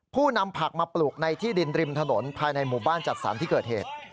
ผู้นำผักมาปลูกในที่ดินริมถนนภายในหมู่บ้านจัดสรรที่เกิดเหตุ